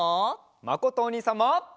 まことおにいさんも！